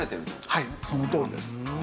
はいそのとおりです。